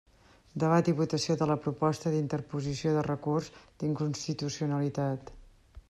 Debat i votació de la proposta d'interposició de recurs d'inconstitucionalitat.